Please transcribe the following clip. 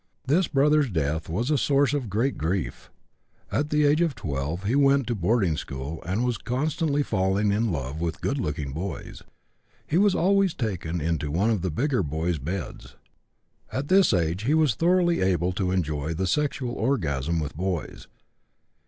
This brother's death was a source of great grief. At the age of 12 he went to boarding school and was constantly falling in love with good looking boys. He was always taken into one of the bigger boys' beds. At this age he was thoroughly able to enjoy the sexual orgasm with boys.